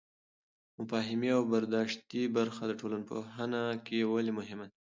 مفاهیمي او برداشتي برخه د ټولنپوهنه کې ولې مهمه ده؟